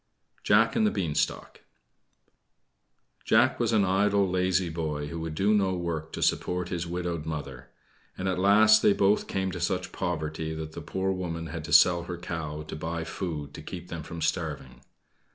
JACK AND THE BEANSTALK Jack was an idle, lazy boy who would do no work to support his widowed mother; and at last they both came to such poverty that the poor woman had to sell her cow to buy food to keep them from starving.